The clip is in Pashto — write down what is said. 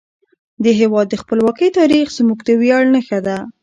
د هیواد د خپلواکۍ تاریخ زموږ د ویاړ نښه ده.